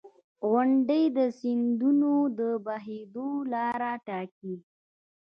• غونډۍ د سیندونو د بهېدو لاره ټاکي.